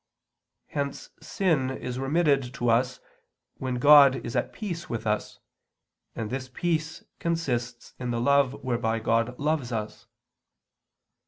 Hence sin is remitted to us, when God is at peace with us, and this peace consists in the love whereby God loves us.